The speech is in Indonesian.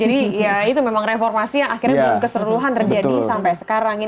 jadi ya itu memang reformasi yang akhirnya belum keseluruhan terjadi sampai sekarang